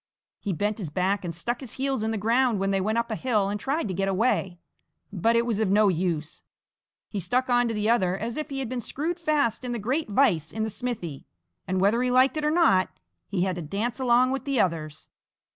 He bent his back and stuck his heels in the ground when they went up a hill and tried to get away, but it was of no use; he stuck on to the other as if he had been screwed fast in the great vise in the smithy, and whether he liked it or not, he had to dance along with the others.